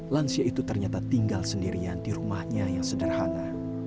lansia itu ternyata tinggal sendirian di rumahnya yang sederhana